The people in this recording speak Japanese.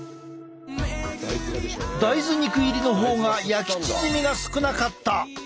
大豆肉入りの方が焼き縮みが少なかった。